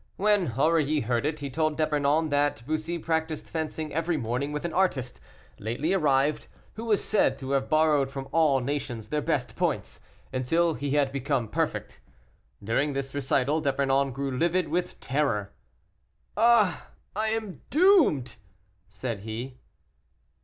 When Aurilly heard it, he told D'Epernon that Bussy practised fencing every morning with an artist, lately arrived, who was said to have borrowed from all nations their best points, until he had become perfect. During this recital D'Epernon grew livid with terror. "Ah! I am doomed," said he.